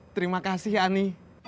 terima kasih ani